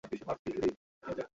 আমি তো আমার কাজ করছি।